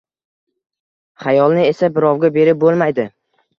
Xayolni esa birovga berib bo‘lmaydi